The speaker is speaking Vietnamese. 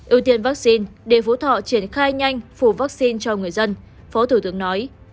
ưu tiên vaccine để phú thọ triển khai nhanh phủ vaccine cho người dân phó thủ tướng nói